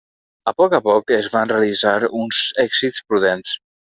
A poc a poc, es van realitzar uns èxits prudents.